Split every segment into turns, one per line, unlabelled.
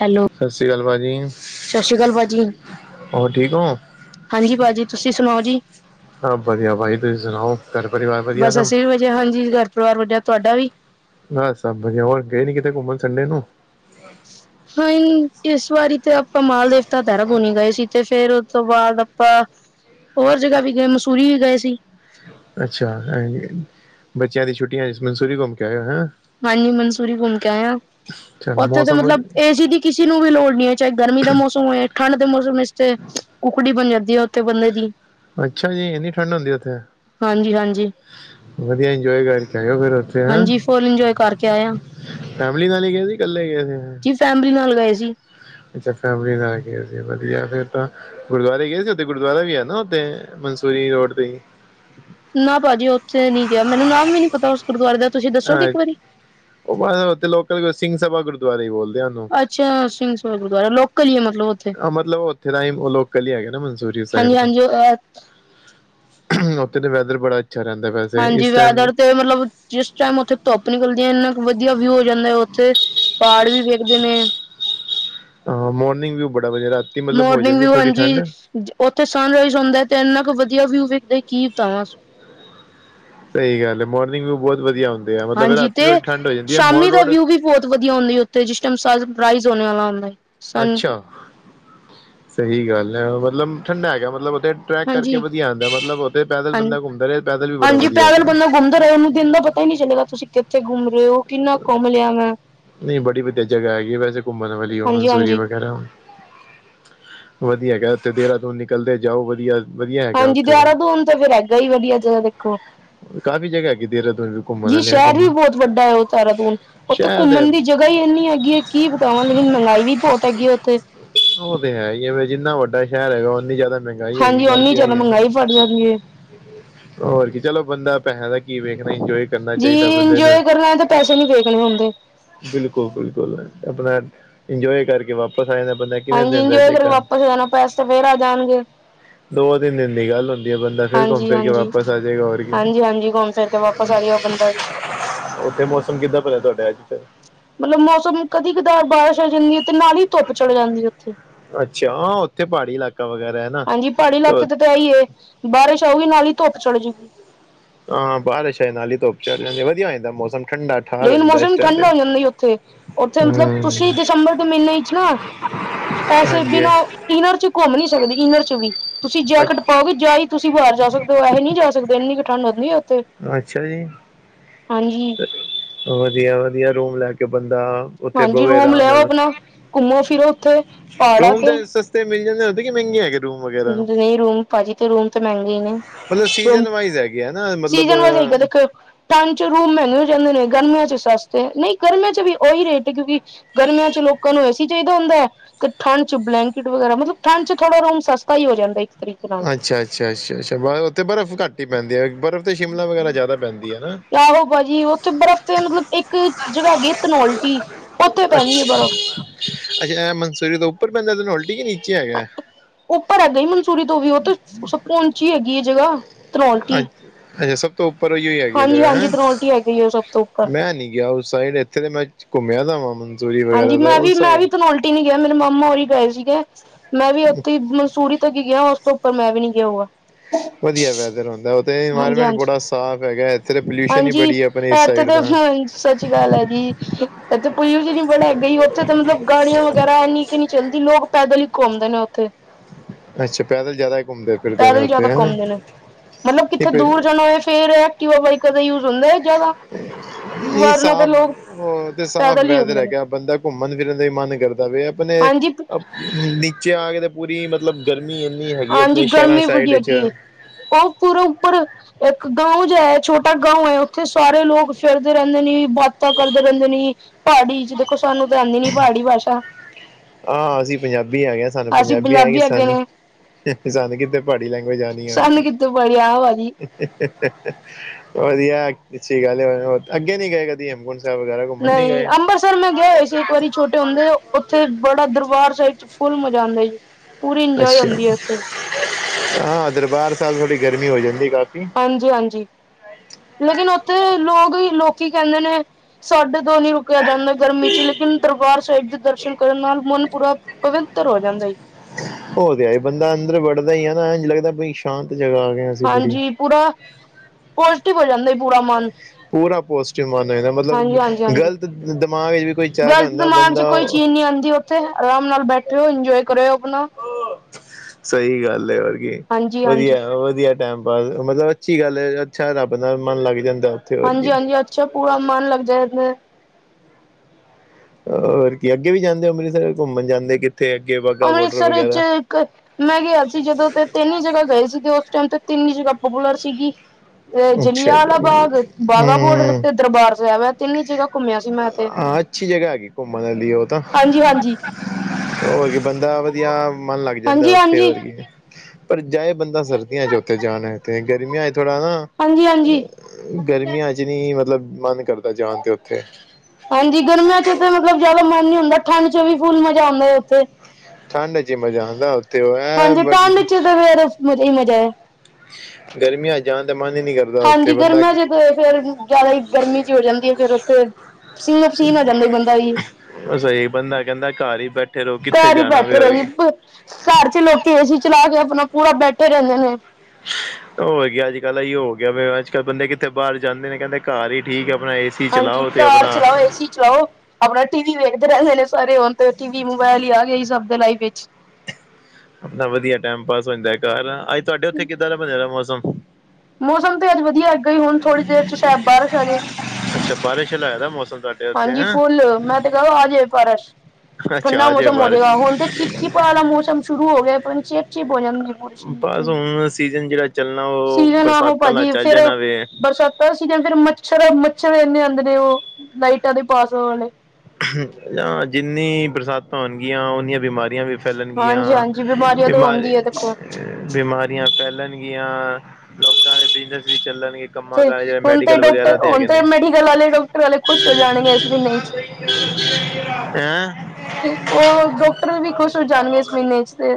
Hello.
ਸਤਿ ਸ਼੍ਰੀ ਅਕਾਲ ਭਾਜੀ।
ਸਤਿ ਸ਼੍ਰੀ ਅਕਾਲ ਭਾਜੀ।
ਹੋਰ ਠੀਕ ਓ?
ਹਾਂਜੀ ਭਾਜੀ, ਤੁਸੀਂ ਸੁਣਾਓ ਜੀ?
ਸਭ ਵਧੀਆ ਭਾਈ ਤੁਸੀਂ ਸੁਣਾਓ ਘਰ ਪਰਿਵਾਰ ਵਧੀਆ
ਬਸ
ਸਭ?
ਅਸੀਂ ਵੀ ਹਾਂਜੀ ਘਰ ਪਰਿਵਾਰ ਵੱਡਾ ਤੁਹਾਡਾ ਵੀ?
ਬਸ ਸਭ ਵਧੀਆ ਹੋਰ ਗਏ ਨੀ ਕਿਤੇ ਘੁੰਮਣ ਸੰਡੇ ਨੂੰ?
[inaudible] ਹਾਂ, ਇਸ ਵਾਰੀ ਤੇ ਆਪਾਂ ਮਾਲਦੇਵਤਾ ਦਾਹਿਹਰਾਗੁਨੀ ਗਏ ਸੀ ਤੇ ਫੇਰ ਉਸ ਤੋਂ ਬਾਅਦ ਆਪਾਂ ਹੋਰ ਜਗ੍ਹਾ ਵੀ ਗਏ ਮਨਸੂਰੀ ਵੀ ਗਏ ਸੀ।
ਅੱਛਾ ਬੱਚਿਆਂ ਦੀ ਛੁੱਟੀਆਂ ਹੋਈ ਸੀ ਮਨਸੂਰੀ ਘੁੰਮ ਕੇ ਆਏ ਓ ਹੈ।
ਹਾਂਜੀ ਮਨਸੂਰੀ ਘੁੰਮ ਕੇ ਆਏ ਆ
ਚਲੋ
ਉੱਥੇ ਤਾਂ
ਮੌਸਮ
ਮਤਲਬ ਏ ਸੀ ਦੀ ਕਿਸੇ ਨੂੰ ਵੀ ਲੋੜ ਨੀ ਐ ਚਾਹੇ ਗਰਮੀ ਦਾ ਮੌਸਮ ਹੋਏ, ਠੰਢ ਦੇ ਮੌਸਮ ਵਿੱਚ ਤੇ ਕੁੱਕੜੀ ਬਣ ਜਾਂਦੀ ਐ ਉੱਥੇ ਬੰਦੇ ਦੀ।
ਅੱਛਾ ਜੀ ਇੰਨੀ ਠੰਢ ਹੁੰਦੀ ਐ ਉੱਥੇ?
ਹਾਂਜੀ ਹਾਂਜੀ।
ਵਧੀਆ ਇੰਜੋਏ ਕਰਕੇ ਆਇਓ ਫੇਰ ਉੱਥੇ ਹੈ।
ਹਾਂਜੀ, ਫੁੱਲ ਇੰਜੋਏ ਕਰਕੇ ਆਏ ਹਾਂ,
ਫੈਮਲੀ ਨਾਲ ਈ ਗਏ ਸੀ ਕੱਲੇ ਗਏ ਸੀ?
ਜੀ ਫੈਮਿਲੀ ਨਾਲ ਗਏ ਸੀ।
ਅੱਛਾ ਫੈਮਿਲੀ ਨਾਲ ਗਏ ਸੀ ਵਧੀਆ ਫਿਰ ਤਾਂ ਗੁਰਦਆਰੇ ਗਏ ਸੀ ਗੁਰਦੁਆਰਾ ਵੀ ਆ ਨਾ? ਤੇ ਮਨਸੂਰੀ ਰੋਡ ਤੇ ਈ।
ਨਾ ਭਾਜੀ ਉੱਥੇ ਨੀ ਗਿਆ ਮੈਨੂੰ ਨਾਮ ਵੀ ਨੀ ਪਤਾ ਉਸ ਗੁਰਦੁਆਰੇ ਦਾ ਤੁਸੀਂ ਦੱਸੋਗੇ
ਅ
ਇੱਕ ਵਾਰੀ?
ਉਹ [unintelligible] ਲੋਕਲ ਸਿੰਘ ਸਭਾ ਗੁਰਦੁਆਰੇ ਈ ਬੋਲਦੇ ਉਹਨੂੰ
ਅੱਛਾ ਸਿੰਘ ਸਭਾ ਗੁਰਦੁਆਰਾ ਲੋਕਲ ਈ ਆ ਮਤਲਬ ਉੱਥੇ।
ਹਾਂ ਮਤਲਬ ਉੱਥੇ ਦਾ ਹੀ ਉਹ ਲੋਕਲ ਹੀ ਹੈਗਾ ਨਾ ਮਨਸੂਰੀ ਸਾਈਡ
ਹਾਂਜੀ
ਦਾ
ਹਾਂਜੀ ਅ,
ਉੱਥੇ ਤਾਂ ਵੈਦਰ ਬੜਾ ਅੱਛਾ ਰਹਿੰਦਾ ਵੈਸੇ
ਹਾਂਜੀ
ਇਸ ਟਾਈਮ
ਵੈਦਰ ਤੇ ਮਤਲਬ ਜਿਸ ਟਾਈਮ ਉੱਥੇ ਧੁੱਪ ਨਿਕਲਦੀ ਐ ਇੰਨਾ ਕੁ ਵਧੀਆ ਵਿਊ ਹੋ ਜਾਂਦਾ ਉੱਥੇ ਪਹਾੜ ਵੀ ਵੇਖਦੇ ਨੇ।
ਹਾਂ, ਮੋਰਨਿੰਗ ਵੀਊ ਬੜਾ ਵਧੀਆ ਲੱਗਦਾ।
ਮੋਰਨਿੰਗ ਵਿਊ ਹਾਂਜੀ। ਉੱਥੇ ਸਨਰਾਈਜ਼ ਹੁੰਦਾ ਤੇ ਇੰਨਾ ਕ ਵਧੀਆ ਵਿਊ ਵੇਖਦਾ ਕੀ ਬਤਾਵਾਂ।
ਸਈ ਗੱਲ ਐ ਮੋਰਨਿੰਗ ਵੀ ਬਹੁਤ ਵਧੀਆ ਹੁੰਦੇ ਆ ਮਤਲਬ
ਹਾਂਜੀ
ਰਾਤੀ
ਤੇ
ਥੋੜੀ ਠੰਡ ਹੀ ਜਾਂਦੀ ਐ ਮੋਲ
ਸ਼ਾਮੀ ਦਾ
ਰੋਡ
ਵਿਊ ਵੀ ਬਹੁਤ ਵਧੀਆ ਹੁੰਦੀ ਉੱਥੇ ਜਿਸ ਟਾਈਮ ਸਨ ਰਾਈਜ਼ ਆ ਹੋਣੇ ਵਾਲਾ ਹੁੰਦਾ। ਸਨ
ਅੱਛਾ ਸਹੀ ਗੱਲ ਐ ਮਤਲਬ ਠੰਡਾ ਹੈਗਾ ਮਤਲਬ ਉੱਥੇ ਟਰੈਕ ਕਰਕੇ
ਹਾਂਜੀ
ਵਧੀਆ ਆਂਦਾ ਮਤਲਬ ਉੱਥੇ ਪੈਦਲ
ਹਾਂਜੀ
ਬੰਦਾ ਘੁੰਮਦਾ ਰਵੇ ਪੈਦਲ ਵੀ ਬੜਾ ਵਧੀਆ ਹੈਗਾ।
ਉੱਧਰ ਉਹਨੂੰ ਦਿਨ ਦਾ ਪਤਾ ਈ ਨੀ ਚਲੇਗਾ ਤੁਸੀਂ ਕਿੱਥੇ ਘੁੰਮ ਰੇ ਓ।
ਨਹੀਂ ਬੜੀ ਵਧੀਆ ਜਗਾ ਹੈਗੀ ਵੈਸੇ ਘੁੰਮਣ ਵਾਲੀ ਓ
ਹਾਂਜੀ
ਮਨਸੂਰੀ
ਹਾਂਜੀ
ਵਗੈਰਾ। ਵਧੀਆ ਹੈਗਾ ਦੇਹਰਾਦੂਨ ਨਿਕਲਦੇ ਜਾਓ ਵਧੀਆ। ਵਧੀਆ ਹੈਗਾ
ਹਾਂਜੀ
ਉੱਥੇ ਦਾ
ਦੇਹਰਾਦੂਨ ਤੇ ਫਿਰ ਹੈਗਾ ਈ ਵਧੀਆ ਜਗ੍ਹਾ ਦੇਖੋ।
ਕਾਫ਼ੀ ਜਗ੍ਹਾ ਹੈਗੀ ਦੇਹਰਾਦੂਨ ਵੀ ਘੁੰਮਣ
ਜੀ
ਆਲੀਆਂ
ਸ਼ਹਿਰ ਵੀ
ਘੁੰਮ-
ਬਹੁਤ ਵੱਡਾ ਹੈ ਦੇਹਰਾਦੂਨ ਉੱਥੇ ਘੁੰਮਣ ਦੀ ਜਗਾ ਈ ਇੰਨੀ ਹੈਗੀ ਐ ਕੀ ਬਤਾਵਾਂ ਲੇਕਿਨ ਮਹਿੰਗਾਈ ਵੀ ਬਹੁਤ ਹੈਗੀ ਐ ਉੱਥੇ
ਉਹ ਤੇ ਹੈ ਹੀ ਹੈਵੇ ਜਿੰਨਾ ਵੱਡਾ ਸ਼ਹਿਰ ਹੈਗਾ ਉਨੀ ਜ਼ਿਆਦਾ ਮਹਿੰਗਾਈ ਹੋਏਗੀ ਗੱਲ ਤੇ ਐਹੀ ਹੈਨਾ-
ਬੜੀਆਂ ਜੇ-
ਹੋਰ ਕੀ ਚਲੋ ਬੰਦਾ ਪੈਸੇ ਦਾ ਕੀ ਵੇਖਣਾ ਇੰਜੋਏ- ਕਰਨਾ
ਜੀ
ਚਾਹੀਦਾ ਬੰਦੇ ਨੂੰ
ਇੰਜੋਏ ਕਰਨਾ ਤਾਂ ਪੈਸੇ ਨੀ ਵੇਖਣੇ ਹੁੰਦੇ-
ਬਿਲਕੁਲ ਬਿਲਕੁਲ ਆਪਣਾ ਇੰਜੋਏ ਕਰਕੇ ਵਾਪਸ ਆ ਜਾਂਦਾ ਬੰਦਾ- ਕਿੰਨੇ
ਹਾਂਜੀ
ਦਿਨ ਰਹਿ
ਇੰਜੋਏ ਕਰਕੇ
ਜਾਏਗਾ
ਵਾਪਸ ਜਾਣਾ ਪੈਸੇ ਤਾਂ ਫੇਰ ਆ ਜਾਣਗੇ-
ਦੋ ਤਿੰਨ ਦਿਨ ਦੀ ਗੱਲ ਹੁੰਦੀ- ਜੇ ਬੰਦਾ ਫਿਰ ਘੁੰਮ
ਹਾਂਜੀ
ਫਿਰ ਕੇ
ਹਾਂਜੀ
ਵਾਪਸ ਆ ਜਾਏਗਾ ਹੋਰ ਕੀ-
ਹਾਂਜੀ ਹਾਂਜੀ ਘੁੰਮ ਫਿਰ ਕੇ ਵਾਪਸ ਆ ਜਾਏਗਾ ਬੰਦਾ ਵੀ
ਉੱਥੇ ਮੌਸਮ ਕਿੱਦਾਂ ਭਰਿਆ ਤੁਹਾਡਾ ਅੱਜ ਫਿਰ
ਮਤਲਬ ਮੌਸਮ ਕਦੀ ਕਦਾਰ ਬਾਰਿਸ਼ ਆ ਜਾਂਦੀ ਹੈ ਤੇ ਨਾਲ ਹੀ ਧੁੱਪ ਚੱਲ ਜਾਂਦੀ ਹੈ ਉੱਥੇ-
ਅੱਛਾ, ਹਾਂ ਉੱਥੇ ਪਹਾੜੀ ਇਲਾਕਾ ਵਗੈਰਾ- ਨਾ
ਹਾਂਜੀ ਪਹਾੜੀ ਇਲਾਕੇ ਤੇ ਤਾਂ ਹੈ ਹੀ ਬਾਰਿਸ਼ ਆਊਗੀ ਨਾਲ ਹੀ ਧੁੱਪ ਚੜਜੂ-
ਹਾਂ ਬਾਰਿਸ਼ ਹੈ ਨਾਲ ਹੀ ਧੁੱਪ ਚੜ ਜਾਂਦੀ ਵਧੀਆ ਹੋ ਜਾਂਦਾ ਮੌਸਮ ਠੰਡਾ- ਠਾਰ ਹੋ
ਲੇਕਿਨ
ਜਾਂਦਾ ਇਸ
ਮੌਸਮ
ਟਾਈਮ ਤੇ
ਠੰਢਾ ਹੋ ਜਾਂਦਾ ਉੱਥੇ ਉੱਥੇ ਮਤਲਬ
ਹਮ
ਤੁਸੀਂ ਦਸੰਬਰ ਦੇ ਮਹੀਨੇ ਵਿੱਚ ਨਾ- ਐਸੇ
ਹਾਂਜੀ
ਬਿਨਾਂ ਇਨਰ 'ਚ ਘੁੰਮ ਨੀ ਸਕਦੇ ਇਨਰ 'ਚ ਵੀ ਤੁਸੀਂ
ਅੱਛ
ਜੈਕਟ ਪਾਓਗੇ ਜਾਹੀ- ਤੁਸੀਂ ਬਾਹਰ ਜਾ ਸਕਦੇ ਹੋ ਇਹ ਨਹੀਂ ਜਾ ਸਕਦੇ ਇੰਨੀ ਕੁ ਠੰਡ ਲੱਗਣੀ ਉੱਥੇ-
ਅੱਛਾ ਜੀ-
ਹਾਂਜੀ-
ਵਧੀਆ ਵਧੀਆ ਰੂਮ ਲੈ ਕੇ- ਇਕ ਬੰਦਾ ਉੱਥੇ
ਹਾਂਜੀ
ਬਵੇ
ਰੂਮ
ਆਰਾਮ
ਲੈਓ
ਨਾਲ
ਆਪਣਾ ਘੁੰਮੋ ਫਿਰੋ ਉੱਥੇ ਪਹਾੜਾਂ
ਰੂਮ
ਤੇ
ਦੇ ਸ- ਸਸਤੇ ਮਿਲ ਜਾਂਦੇ ਉਹਦੀ ਮਹਿੰਗੇ ਹੈਗੇ- ਰੂਮ ਵਗੈਰਾ
ਨਹੀਂ ਰੂਮ ਭਾਜੀ ਤੇ ਰੂਮ ਤੇ ਮਹਿੰਗੇ ਹੀ ਨੇ-
ਮਤਲਬ
ਰੂਮ
ਸੀਜਨ ਵਾਈਜ਼ ਹੈਗੇ ਐ ਨਾ ਮਤਲਬ-
ਟੈਂਟ 'ਚ ਰੂਮ ਲੈ ਲਓ ਜੇ ਲੈਨੇ ਗਰਮੀਆਂ 'ਚ ਸਸਤੇ ਨਹੀਂ ਗਰਮੀਆਂ 'ਚ ਵੀ ਉਹੀ ਰੇਟ ਕਿਉਂਕਿ- ਗਰਮੀਆਂ 'ਚ ਲੋਕਾਂ ਨੂੰ ਏਸੀ ਚਾਹੀਦਾ ਹੁੰਦਾ ਹੈ ਤੇ ਠੰਡ 'ਚ ਬਲੈਂਕਿਟ ਵਗੈਰਾ ਮਤਲਬ ਠੰਡ 'ਚ ਥੋੜਾ ਰੂਮ ਸ- ਸਸਤਾ ਹੀ ਹੋ ਜਾਂਦਾ ਇੱਕ- ਤਰੀਕੇ ਨਾਲ
ਅੱਛਾ ਅੱਛਾ ਅੱਛਾ ਅੱਛਾ ਪਰ ਉੱਥੇ ਬਰਫ਼ ਘੱਟ ਹੀ ਪੈਂਦੀ ਹੈ ਬਰਫ਼ ਤੇ ਸ਼ਿਮਲਾ ਵਗੈਰਾ ਜ਼ਿਆਦਾ ਪੈਂਦੀ ਹੈਨਾ
ਆਹੋ ਭਾਜੀ ਉੱਥੇ ਬਰਫ਼ ਤੇ ਮਤਲਬ ਇੱਕ ਜਗ੍ਹਾ ਹੈਗੀ ਧਨੋਲਟੀ ਉੱਥੇ ਪੈਂਦੀ ਹੈ ਬਰਫ਼-
ਅੱਛਾ ਇਹ ਮਨਸੂਰੀ ਤੋਂ ਉੱਪਰ ਪੈਂਦਾ ਧਨੋਲਟੀ ਕੇ ਨੀਚੇ ਹੈਗਾ-
ਉਪਰ ਹੈਗਾ ਮਨਸੂਰੀ ਤੋਂ ਵੀ ਉਹ ਤੇ ਸਭ ਤੋਂ ਪਹੁੰਚੀ ਹੈਗੀ ਇਹ ਜਗ੍ਹਾ ਤਨੋਲਟੀ-
ਅੱਛਾ ਸਭ ਤੋਂ ਉੱਪਰ ਹੀ ਹੀ ਹੈਗੀ ਜਗ੍ਹਾ
ਹਾਂਜੀ
ਹੈਂ
ਧਨੋਲਟੀ ਹੈਗੀ ਹੈ ਸਭ ਤੋਂ ਉੱਪਰ
ਮੈਂ ਨਹੀਂ ਗਿਆ ਉਸ- ਸਾਈਡ ਇੱਥੇ ਤੇ ਮੈਂ ਘੁੰਮਿਆ ਦਾਵਾ ਮ-
ਹਾਂਜੀ ਮੈਂ ਵੀ ਮੈਂ ਵੀ ਤਨੋਲਟੀ ਨੀ ਗਿਆ ਮੇਰੇ ਮਾਮਾ ਹੋਰੀ ਗਏ ਸੀਗੇ ਮੈਂ ਵੀ ਉੱਥੇ ਮਨਸੂਰੀ- ਉੱਪਰ ਤੱਕ ਗਿਆ ਉਸ ਤੋਂ ਉੱਪਰ ਮੈਂ ਵੀ ਨਹੀਂ ਗਿਆ ਹੋਊਗਾ-
ਵਧੀਆ ਵੈਦਰ ਹੁੰਦਾ ਉੱਥੇ
ਹਾਂਜੀ
ਇਨਵਾਇਰਮੈਂਟ
ਹਾਂਜੀ।
ਬੜਾ ਸਾਫ਼ ਹੈਗਾ ਇੱਥੇ ਤਾਂ ਪੋਲਿਊਸ਼ਨ ਹੀ ਬੜੀ ਹੈ ਆਪਣੇ ਇਸ ਸਾਈਡ ਤਾਂ-
ਸੱਚੀ ਗੱਲ ਹੈ ਜੀ ਇੱਥੇ ਪੂਲਿਊਸਨ ਨੀ ਬੜਾ ਹੈਗਾ ਉੱਥੇ ਤਾਂ ਮਤਲਬ ਗਾੜੀਆਂ ਵਗੈਰਾ ਇਨੀ ਕਿ- ਚਲਦੀ ਲੋਕ ਪੈਦਲ ਹੀ ਘੁੰਮਦੇ ਨੇ ਉੱਥੇ-
ਅੱਛਾ ਪੈਦਲ ਜ਼ਿਆਦਾ ਘੁੰਮਦੇ- ਫਿਰਦੇ ਨੇ
ਪੈਦਲ
ਉੱਥੇ
ਜ਼ਿਆਦਾ
ਹੈਨਾ।
ਘੁੰਮਦੇ ਨੇ ਮਤਲਬ ਕਿੱਥੇ ਦੂਰ ਜਾਣਾ ਹੋਏ ਫਿਰ ਐ- ਤੇ ਓ ਬਾਈਕਾਂ ਦਾ ਯੂਜ ਹੁੰਦਾ ਹੈ ਜ਼ਿਆਦਾ-
ਨੀ
ਵਰਨਾ ਤੇ ਲੋਕ
ਸਾਫ਼- ਉਹ ਤੇ ਸਾਫ਼
ਪੈਦਲ ਹੀ
ਵੈਦਰ
ਹੁੰਦੇ ਨੇ
ਹੈਗਾ ਬੰਦਾ ਘੁੰਮਣ ਫਿਰਨ ਦਾ ਹੀ ਮਨ ਕਰਦਾ ਵੇ ਆਪਣੇ-
ਹਾਂਜੀ।
ਨੀਚੇ ਆ ਕੇ ਤਾਂ ਪੂਰੀ ਮਤਲਬ ਗਰਮੀ ਇੰਨੀ ਹੈਗੀ
ਹਾਂਜੀ
ਆਪਣੇ ਸ਼ਹਿਰਾਂ
ਗਰਮੀ
ਸਾਈਡ
ਬੜੀ
ਵਿਚ-
ਹੈਗੀ ਏ। ਉਹ ਪੂਰੇ ਉੱਪਰ- ਇੱਕ ਗਾਉ ਜਿਹਾ ਹੈ ਛੋਟਾ ਗਾਉਂ ਹੈ ਉੱਥੇ ਸਾਰੇ ਲੋਕ ਫਿਰਦੇ ਰਹਿੰਦੇ ਨੇ ਬਾਤਾਂ ਕਰਦੇ ਰਹਿੰਦੇ ਨੇ- ਪਹਾੜੀ ਚ, ਦੇਖੋ ਸਾਨੂੰ ਤਾਂ ਆਂਦੀ ਨੀ ਪਹਾੜੀ ਭਾਸ਼ਾ-
ਹਾਂ ਅਸੀਂ ਪੰਜਾਬੀ ਹੈਗੇ ਆਂ, ਸਾਨੂੰ
ਅਸੀਂ
ਪੰਜਾਬੀ ਆਏਗੀ
ਹੈਗੇ
ਸਾਨੂੰ
ਨੇ।
ਸਾਨੂੰ ਕਿਥੇ ਪਹਾੜੀ ਲੈਂਗੁਏਜ ਆਉਣੀ ਆੜ
ਸਾਨੂੰ
ਕੇ
ਕਿੱਥੋਂ ਪੜੀ ਆ ਭਾਜੀ
ਵਧੀਆ, ਅੱਛੀ ਗੱਲ ਹੈ, ਅੱਗੇ ਨੀ ਗਏ ਕਦੀ ਹੇਮਕੁਟ ਸਾਹਿਬ ਵਗੈਰਾ ਘੁੰਮਣ ਨੀ
ਨਹੀਂ
ਗਏ
ਅੰਮ੍ਰਿਤਸਰ ਨਾ ਗਏ ਅਸੀ ਥੋੜੇ ਛੋਟੇ ਹੁੰਦੇ ਆ, ਉੱਥੇ ਬੜਾ ਦਰਬਾਰ ਸਾਹਿਬ ਚ ਫੁੱਲ ਮਜ਼ਾ ਆਉਦਾ ਜੀ ਪੂਰੀ ਇੰਜੋਏ
ਅੱਛਾ,
ਹੁੰਦੀ ਹੈ ਉੱਥੇ
ਹਾਂ ਦਰਬਾਰ ਸਾਹਿਬ ਥੋ੍ਹੀ ਗਰਮੀ ਹੋ ਜਾਂਦੀ ਕਾਫੀ
ਹਾਂਜੀ ਹਾਂਜੀ ਲੇਕਿਨ ਉੱਥੇ ਲੋਕ ਲੋਕੀ ਕਹਿੰਦੇ ਨੇ ਸਾਡੇ ਤੋਂ ਨੀ ਰੁਕਿਆ ਜਾਂਦਾ ਗਰਮੀ ਚ, ਲੇਕਿਨ ਦਰਬਾਰ ਸਾਹਿਬ ਦੇ ਦਰਸ਼ਨ ਕਰਨ ਨਾਲ ਮਨ ਪੂਰਾ ਪਵਿੱਤਰ ਹੋ ਜਾਂਦਾ ਈ
ਉਹ ਤੇ ਹੈ ਈ, ਬੰਦਾ ਅੰਦਰ ਵੜਦਾ ਹੀ ਐ ਨਾ ਐਂਜ ਲੱਗਦਾ ਬਈ ਸ਼ਾਂਤ ਜਗ੍ਹਾਹ
ਹਾਂਜੀ ਪੂਰਾ ਪੋਜ਼ਟਿਵ ਹੋ ਜਾਂਦਾ ਪੂਰਾ ਮਨ
ਪੂਰਾ ਪੋਜ਼ਟਿਵ ਮਨ ਹੋ ਜਾਂਦਾ, ਮਤਲਬ
ਹਾਂਜੀ ਹਾਂਜੀ ਹਾਂਜੀ
ਗ਼ਲਤ ਦਿਮਾਗ ਚ ਵੀ ਕੋਈ ਚਲ ਰੇਯਾ ਹੁੰਦਾ, ਬੰਦਾ
ਉਥੇ ਆਰਾਮ ਨਾਲ ਬੈਠੇਓ ਇੰਜੋਏ ਕਰਿਓ ਆਪਣਾ
ਸਹੀ ਗੱਲ ਐ, ਹੋਰ ਕੀ
ਹਾਂਜੀ ਹਾਂਜੀ
ਵਧੀਆ ਵਧੀਆ ਟਾਈਮ ਪਾਸ, ਮਤਲਬ ਅੱਛੀ ਗੱਲ ਹੈ ਅੱਛਾ ਰੱਬ ਦਾ ਮਨ ਲੱਗ ਜਾਂਦਾ ਉੱਥੇ ਹੋਰ ਕੀ
ਹਾਂਜੀ ਹਾਂਜੀ ਅੱਛਾ ਪੂਰਾ ਮਨ ਲੱਗ ਜਾਏ ਫਿਰ
ਹੋਰ ਕੀ, ਅੱਗੇ ਵੀ ਜਾਂਦੇ ਹੋ ਅੰਮ੍ਰਿਤਸਰ ਘੁੰਮਣ ਜਾਂਦੇ ਕਿੱਥੇ ਅੱਗੇ ਵਾਹਗਾ ਬੋਡਰ
ਅੰਮ੍ਰਿਤਸਰ ਵਿੱਚ
ਵਗੈਰਾ
ਇੱਕ ਮੈਂ ਗਿਆ ਸੀ ਜਦੋਂ ਤੇ ਤਿੰਨ ਜਗ੍ਹਾਹ ਗਏ ਸੀ, ਤੇ ਉਸ ਟਾਈਮ ਤੇ ਤਿੰਨ ਜਗ੍ਹਾਹ ਪਪੂਲਰ ਸੀਗੀ ਤੇ ਜਲਿਆਂ
ਅੱਛਾ
ਵਾਲਾ
ਜੀ
ਬਾਗ, ਵਾਘਾ ਬੋਡਰ
ਹਮ
ਤੇ ਦਰਬਾਰ ਸਾਹਿਬ, ਐ ਤਿੰਨ ਈ ਜਗ੍ਹਾਹ ਘੁੰਮਿਆ ਸੀ ਮੈਂ ਇਥੇ
ਹਾਂ ਅੱਛੀ ਜਗਾਹ ਹੈਗੀ ਘੁੰਮਣ ਦੇ ਲਈ ਉਹ ਤਾਂ
ਹਾਂਜੀ ਹਾਂਜੀ,
ਹੋਰ ਕੀ ਬੰਦਾ ਵਧੀਆ ਮਨ ਲੱਗ ਜਾਂਦਾ
ਹਾਂਜੀ
ਉੱਥੇ
ਹਾਂਜੀ,
ਹੋਰ ਕੀ ਪਰ ਜਾਏ ਬੰਦਾ ਸਰਦੀਆਂ ਚ ਉੱਥੇ ਜਾਣਾ ਤੇ ਗਰਮੀਆਂ ਹੈ ਥੋੜ੍ਹਾ ਨਾ
ਹਾਂਜੀ ਹਾਂਜੀ।
ਗਰਮੀਆਂ ਚ ਨੀ ਮਤਲਬ ਮਨ ਕਰਦਾ ਜਾਣ ਤੇ ਉੱਥੇ
ਹਾਂਜੀ ਗਰਮੀਆਂ ਚ ਤਾਂ ਮਤਲਬ ਜ਼ਿਆਦਾ ਮਨ ਨੀ ਹੁੰਦਾ ਠੰਡ ਚ ਵੀ ਖੂਬ ਮਜ਼ਾ ਆਉਂਦਾ ਹੈ ਉੱਥੇ
ਠਾਂਡਾ ਚ ਈ ਮਜ਼ਾ ਆਂਦਾ ਉਥੇ
ਹਾਂਜੀ ਠੰਡ ਚ ਤੇ ਫੇਰ ਮਜ਼ਾ ਈ ਮਜ਼ਾ ਐ
ਗਰਮੀਆਂ ਚ ਜਾਣ ਤੇ ਮਨ ਹੀ ਨੀ ਕਰਦਾ ਉੱਥੇ
ਹਾਂਜੀ
ਬੰਦਾ
ਗਰਮੀਆਂ ਚ ਫੇਰ ਜਿਆਦਾ ਹੀ ਗਰਮੀ ਜੀ ਹੋ ਜਾਂਦੀ ਹੈ ਫੇਰ ਉੱਥੇ ਪਸੀਨੋ ਪਸੀਨ ਹੋ ਜਾਂਦਾ ਬੰਦਾ ਵੀ
ਉਹ ਸਹੀ ਐ, ਬੰਦਾ ਕਹਿੰਦਾ ਘਰ ਹੀ ਬੈਠੇ ਰਹੋ ਕਿੱਥੇ
ਘਰ ਹੀ
ਜਾਣਾ ਵ
ਬੈਠੇ
ਉ
ਰਹੋ ਜੀ ਘਰ ਚ ਲੋਕੀ, ਏ ਸੀ ਚਲਾ ਕੇ ਆਪਣਾ ਪੂਰਾ ਬੈਠੇ ਰਹਿੰਦੇ ਨੇ
ਹੋ ਗਿਆ ਅੱਜ ਕੱਲ੍ਹ ਈ ਹੋ ਗਯਾ, ਅੱਜ ਕੱਲ੍ਹ ਬੰਦੇ ਕਿੱਥੇ ਬਾਹਰ ਜਾਂਦੇ ਨੇ ਕਹਿੰਦੇ ਘਰ ਹੀ ਠੀਕ ਆ ਆਪਣਾ ਏ
ਹਾਂਜੀ ਕਾਰ ਚਲਾਓ ਏਸੀ ਚਲਾਓ ਆਪਣਾ ਟੀ ਵੀ ਵੇਖਦੇ ਰਹਿੰਦੇ ਨੇ ਸਾਰੇ, ਹੁਣ ਤੇ ਟੀ ਵੀ ਮੋਬਾਇਲ ਹੀ ਆ ਗਏ ਹੀ ਸਭਦੇ ਲਾਈਫ ਵਿੱਚ
ਆਪਣਾ ਵਧੀਆ ਟਾਈਮ ਪਾਸ ਹੋ ਜਾਂਦਾ ਘਰ ਨਾ, ਅੱਜ ਤੁਹਾਡੇ ਉੱਥੇ ਕਿੱਦਾਂ ਦਾ ਬਣੇ ਦਾ ਮੌਸਮ
ਮੌਸਮ ਤੇ ਅੱਜ ਵਧੀਯਾ ਹੈਗਾ ਹੀ, ਹੁਣ ਥੋੜ੍ਹੀ ਦੇਰ ਚ ਸ਼ਾਇਦ ਬਾਰਸ਼ ਆ ਜਾਏ
ਅੱਛਾ ਬਾਰਿਸ਼ ਆਲਾ ਹੋਇਦਾ ਮੌਸਮ ਤੁਹਾ
ਹਾਂਜੀ ਫੁੱਲ, ਮੈਂ ਤੇ ਕਹਾਂ ਆ ਜਾਯੇ ਇਕ ਵਾਰ ਬਾਰਿਸ਼
ਅੱਛਾ
ਠੰਡਾ
ਆ ਜੇ
ਮੌਸਮ ਹੋ
ਬਾਰਿਸ਼
ਜਾਏਗਾ, ਹੁਣ ਤੇ ਚਿਪ ਚਿਪ ਵਾਲਾ ਮੌਸਮ ਸ਼ੁਰੂ ਹੋ ਗਿਆ ਪਰ ਚਪ ਚਿਪ ਚਿਪ ਹੋ ਜਾਂਦੀ ਹੈ ਮੌਸਮ ਇਚ,
ਬਸ ਹੁਣ ਸੀਜਨ ਜਿਹੜਾ ਚੱਲਣਾ ਉਹ
ਸੀਜਨ ਆਹੋ
ਬਰਸਾਤਾਂ ਦਾ
ਭਾਜੀ
ਚੱਲ
ਫੇਰ
ਜਾਣਾ ਵੇ
ਬਰਸਾਤੀ ਤਾਂ ਅਸੀ ਕੇਹਾ ਫਿਰ ਮੱਛਰ, ਮੱਛਰ ਇੰਨੇ ਆਉਂਦੇ ਨੇ ਉਹ ਲਾਈਟਾਂ ਦੇ ਪਾਸ ਹੋਣ ਵਾਲੇ
ਜਿੰਨੀ ਬਰਸਾਤਾਂ ਹੋਣਗੀਆਂ ਉਨੀਆਂ ਬਿਮਾਰੀਆਂ [unintelligible]
ਹਾਂਜੀ-ਹਾਂਜੀ ਬਿਮਾਰੀਆਂ ਤਾਂ ਹੁੰਦੀ ਹੈ ਦੇਖੋ
ਬਿਮਾਰੀਆਂ ਫੈਲਨਗੀਆਂ, ਡੋਕਟਰਾਂ ਦੇ ਬਿਜਨਸ ਵੀ ਚੱਲਨਗੇ।
ਹੁਨ ਤੇ ਡੋਕਟਰ ਹੁਨ ਤੇ ਮੈਡੀਕਲ ਵਾਲੇ ਡਾਕਟਰ ਵਾਲੇ ਖੁਸ਼ ਹੋ ਜਾਨਗੇ ਏਸ ਮੀਨੇ ਚ।
ਹੈਂ।
ਓ ਡੋਕਟਰ ਵੀ ਖੁਸ਼ ਹੋ ਜਾਨਗੇ ਏਸ ਮੀਨੇ ਚ ਤੇ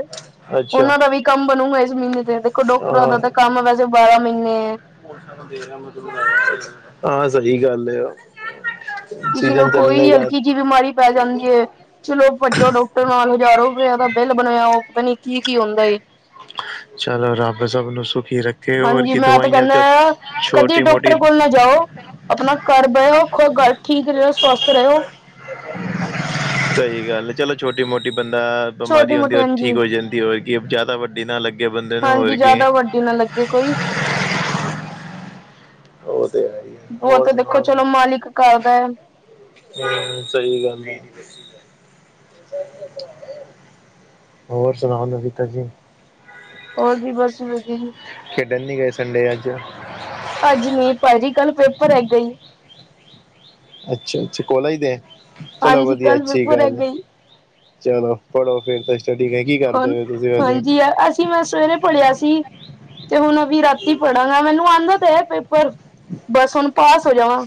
ਅੱਛਾ
ਓਨਾਂ ਦਾ ਵੀ ਕੰਮ ਬਨੂਗਾ ਏਸ ਮੀਨੇ ਤੇ ਦੇਖੋ ਡਾਕਟਰਾਂ
ਹਾਂ
ਦਾ ਤਾਂ ਕੰਮ ਐ ਵੈਸੇ ਬਾਰਾਂ ਮੀਨੇ ਐ।
ਹਾਂ ਸਈ ਗੱਲ ਏ ਆ।
ਕਿਸੀ ਨੂੰ ਕੋਈ ਹਲਕੀ ਜੀ ਬਿਮਾਰੀ ਪੈ ਜਾਂਦੀ ਐ। ਚਲੋ ਭੱਜੋ ਡੋਕਟਰ ਨਾਲ ਹਜ਼ਾਰੋ ਰੁਪਇਆ ਦਾ ਬਿੱਲ ਬਨਾਇਆ ਓ ਪਤਾ ਨੀ ਕੀ-ਕੀ ਹੁੰਦਾ ਏ।
ਚਲੋ ਰੱਬ ਸਬ ਨੂੰ ਸੁਖੀ ਰੱਖ
ਹਾਂਜੀ ਮੈਂ ਤਾਂ ਕੈਂਨਾ ਕਦੀ
ਛੋਟੀ
ਡੋਕਟਰ
ਮੋਟੀ
ਕੋਲ ਨਾ ਜਾਓ। ਆਪਨਾ ਘਰ ਬਹੋ ਘਰ ਠੀਕ ਰਹੋ ਔਰ ਸਵਸਥ ਰਓ।
ਸਈ ਗੱਲ ਏ ਚਲੋ ਛੋਟੀ ਮੋਟੀ ਬੰਦਾ
ਛੋਟੀ
ਬਮਾਰੀ ਹੁੰਦੀ
ਮੋਟੀ
ਏ ਠੀਕ
ਹਾਂਜੀ
ਹੋ ਜਾਂਦੀ ਹੋਰ ਕਿ ਜ਼ਾਦਾ ਵੱਡ
ਹਾਂਜੀ ਜਾਦਾ ਵੱਡੀ ਨਾ ਲੱਗੇ ਕੋਈ
ਓ ਤੇ ਹੈ ਈ ਐ।
ਓ ਤਾਂ ਦੇਖੋ ਚਲੋ ਮਾਲਿਕ ਕਰਦੈ।
ਹੂੰ ਸਈ ਗੱਲ ਐ। ਹੋਰ ਸਨਾਓ ਨਵੀ ਤਾਜੀ
ਹੋਰ ਜੀ ਬਸ ਵਦੀਆ ਜੀ।
ਖੇਡਨ ਨੀ ਗਏ ਸੰਡੇ ਐ ਅੱਜ।
ਅੱਜ ਨੀ ਭਾਜੀ ਕੱਲ ਪੇਪਰ ਹੈਗਾ ਈ।
ਅੱਛਾ-ਅੱਛਾ ਕੋਲੇਜ ਦੇ, ਚਲੋ
ਹਾਂਜੀ
ਵਦੀਆ
ਕੱਲ
ਅੱਛੀ
ਪੇਪਰ
ਗੱਲ ਐ।
ਹੈਗਾ ਈ
ਚਲੋ ਪੜ੍ਹੋ ਫੇਰ ਤਾਂ ਸਟੱਡੀ ਕੀ-ਕੀ ਕਰਦੇ ਹੋ ਤੁਸੀਂ ਵੈਸੇ
ਪੜਿਆ ਸੀ ਤੇ ਹੁਨ ਅਬੀ ਰਾਤੀ ਪੜਾਂਗਾ ਮੈਨੂੰ ਆਂਦਾ ਤੇ ਹੈ ਪੇਪਰ, ਬਸ ਹੁਨ ਪਾਸ ਹੋ ਜਾਵਾਂ।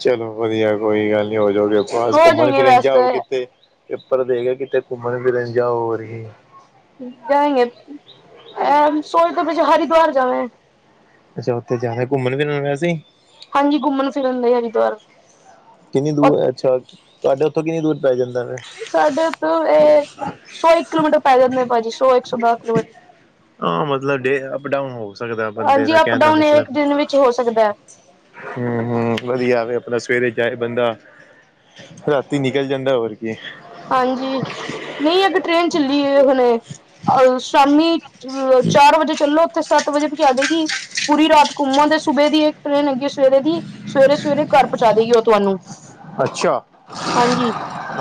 ਚਲੋ ਵਦੀਆ ਕੋਈ ਗੱਲ ਨੀ ਹੋਜੋਗੇ ਪਾਸ
ਹੋ
ਘੁੰਮਨ
ਜਾਏਂਗੇ
ਫਿਰਨ ਜਾਓ
ਵੈਸੇ
ਕਿਤੇ। ਪੇਪਰ ਦੇ ਕੇ ਕਿਤੇ ਘੁੰਮਣ ਫਿਰਨ ਜਾਓ ਹੋਰ ਕੀ
ਜਾਏਂਗੇ ਐਹ ਸੋਚਦੇ ਪਏ ਸੀ ਹਰੀਦਵਾਰ ਜਾਮੇਂ।
ਅੱਛਾ ਓਥੇ ਜਾਨੈ ਘੁੰਮਨ ਫਿਰਨ ਵੈਸੇ ਈ।
ਹਾਂਜੀ ਘੁੰਮਨ ਫਿਰਨ ਲਈ ਹਰੀਦਵਾਰ।
ਕਿੰਨੀ ਦੂਰ ਅੱਛਾ, ਤੁਆਡੇ ਓਥੋਂ ਕਿੰਨੀ ਦੂਰ ਪੈ ਜਾਂਦਾ ਵੇ।
ਸਾਡੇ ਓਥੋਂ ਏਹ ਸੌ ਇੱਕ ਕਿਲੋਮੀਟਰ ਪੈ ਜਾਂਦਾ ਭਾਜੀ ਸੌ ਇੱਕ ਸੌ ਦਸ ਕਿਲੋਮੀਟਰ।
ਹਾਂ ਮਤਲਬ ਡੇ ਅਪ ਡਾਊਨ ਹੋ ਸਕਦਾ ਬੰਦੇ
ਹਾਂਜੀ
ਦਾ
ਅਪ
ਕਹਿਣ
ਡਾਊਨ ਏਕ ਦਿਨ ਵਿੱਚ ਹੋ ਸਕਦੈ।
ਹੂੰ-ਹੂੰ ਵਦੀਆ ਵੀ ਆਪਨਾ ਸਵੇਰੇ ਪਿਆ ਰਏ ਬੰਦਾ ਰਾਤੀ ਨਿਕਲ ਜਾਂਦਾ ਹੋਰ ਕੀ
ਹਾਂਜੀ ਨਈ ਇੱਕ ਟ੍ਰੇਨ ਚੱਲੀ ਏ ਹੁਨੇ ਸ਼ਾਮੀ ਅ ਚਾਰ ਵਜੇ ਚੱਲੋ ਓਥੇ ਸੱਤ ਵਜੇ ਪੁਚਾ ਦੇਗੀ। ਪੂਰੀ ਰਾਤ ਘੁਮੋ ਤੇ ਸੁੂਬੇ ਦੀ ਇੱਕ ਟ੍ਰੇਨ ਹੈਗੀ ਏ ਸਵੇਰੇ ਦੀ ਸਵੇਰੇ ਸਵੇਰੇ ਘਰ ਪੁਚਾ ਦੇਗੀ ਓ ਤੁਆਨੂੰ।
ਅੱਛਾ,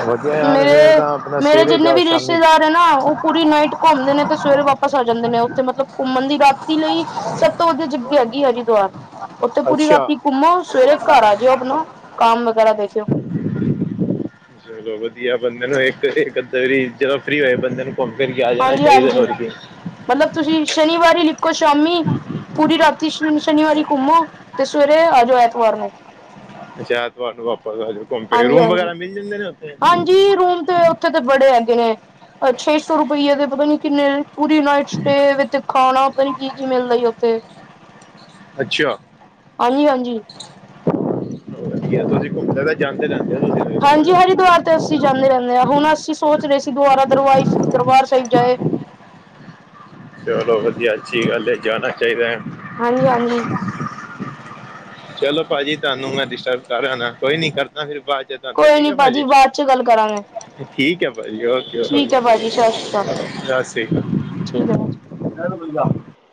ਵਦੀਆ ਯਾਰ ਫੇਰ ਤਾਂ ਆਪਨਾ ਸਵੇਰੇ ਜਾਓ ਸ਼ਾਮੀ
ਹਨਾ ਆਓ ਪੂਰੀ ਨਾਈਟ ਘੁਮਦੇ ਨੇ ਤੇ ਸਵੇਰੇ ਵਾਪਸ ਆ ਜਾਂਦੇ ਨੇ ਓਥੇ ਮਤਲਬ ਘੁੰਮਣ ਦੀ ਰਾਤੀ ਲਈ ਸਬ ਤੋਂ ਵਦੀਆ ਜਗਾ ਹੈਗੀ ਐ ਹਰੀਦੁਆਰ। ਓਥੇ ਪੂਰੀ
ਅੱਛਾ
ਰਾਤੀ ਘੁੰਮੋ ਸਵੇਰੇ ਘਰ ਆ ਜਾਓ ਆਪਨਾ ਕੰਮ ਵਗੈਰਾ ਦੇਖ ਲਿਓ।
ਚਲੋ ਵਦੀਆ ਬੰਦੇ ਨੂੰ ਇੱਕ ਅੱਦੇ ਵਾਰੀ ਜਦ ਫਰੀ ਹੋਏ ਬੰਦੇ ਨੂੰ ਏਧਰ ਈ ਆਜਾ
ਹਾਂਜੀ
ਚਾਈਦਾ
ਹਾਂਜੀ
ਹੋਰ ਕੀ
ਮਤਲਬ ਤੁਸੀਂ ਸ਼ਨੀਵਾਰ ਈ ਨਿਕੋ ਸ਼ਾਮੀ ਕੂਰੀ ਰਾਤੀ ਸ਼ਨੀਵਾਰੀ ਘੁੰਮੋ ਤੇ ਸਵੇਰੇ ਆਜੋ ਐਤਵਾਰ ਨੂੰ
ਅਛਾ ਐਤਵਾਰ ਨੂੰ ਵਾਪਸ ਆਜੋ
ਹਾਂਜੀ -ਹਾਂਜੀ- ਹਾਂਜੀ ਜੀ ਰੂਮ ਤੇ ਔਥੇ ਤੇ ਬੜੇ ਹੈਗੇ ਨੇ ਛੇ ਸੌ ਰੁਪਈਯੇ ਦੇ ਪਤਾ ਨੀ ਕਿੰਨੇ ਪੂਰੀ ਨਾਈਟ ਸਟੇ ਵਿਦ ਖਾਣਾ ਪਤਾ ਨ ਕੀ ਕੀ ਮਿਲਦਾ ਈ ਔਥੇ
ਅੱਛਾ
ਹਾਂਜੀ- ਹਾਂਜੀ
ਵਧੀਆ ਤੁਸੀਂ ਘੁੰਮ ਸਕ ਤਾਂ ਜਾਂਦੇ ਜਾਂਦੇ ਹੋ ਤੁ [unintelligible]
ਹਂਜੀ ਹਰਿਦੁਆਰ ਤੇ ਅਸੀਂ ਜਾਂਨੇ ਰੈਨੇ ਆ। ਹੁਣ ਅਸੀਂ ਸੋਚ ਰੇ ਸੀ ਦੁਆਾਰਾ ਦਰਇਫ ਦਰਬਾਰ ਸਾਹਿਬ ਜਾਏ
ਚਲੋ ਵਧੀਆ ਅੱਛੀ ਗੱਲ ਏ ਜਾਨਾ ਚਾਈਦਾ
ਹਾਂਜੀ-ਹਾਂਜੀ।
ਚਲੋ ਭਾਜੀ ਤਾਨੂੰ ਮੈਂ ਡਿਸਟਰਬ ਕਰ ਰਿਯਾ ਹੋਨਾ ਕੋਈ ਨੀ ਕਰਦਾ ਫੇਰ ਬਾਦ ਚ ਤੁਹਾਨੂੰ
ਕੋਈ
ਠੀਕ
ਨੀ
ਹੈ
ਭਾਜੀ ਬਾਅ ਚ ਗੱਲ ਕਰਾਂਗੇ।
ਠੀਕ ਐ ਬਾਈ ਔਕੇ ਬਈ
ਠੀਕ ਹੈ ਭਾਜੀ ਸਤਿ ਸ਼੍ਰੀ ਅਕਾਲ
ਸਾਸੀ ਕਾਲ।
ਠੀਕ ਐ ਭਾਜੀ। [unintelligible]